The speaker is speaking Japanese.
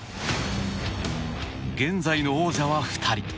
現在の王者は２人。